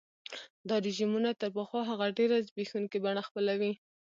دا رژیمونه تر پخوا هغه ډېره زبېښونکي بڼه خپلوي.